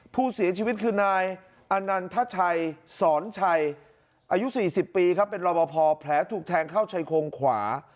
ผู้เสียชีวิตคือนายอนันทชัยสอนชัยอายุ๔๐ปีครับเป็นรอบพอแผลถูกแทงเข้าชายโครงขวา